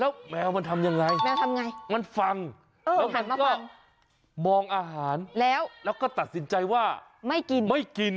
แล้วแมวมันทำยังไงมันฟังแล้วก็มองอาหารแล้วก็ตัดสินใจว่าไม่กิน